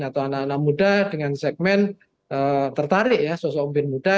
atau anak anak muda dengan segmen tertarik ya sosok umpin muda